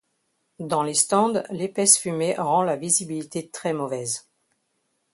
Dans les stands, l'épaisse fumée rend la visibilité très mauvaise.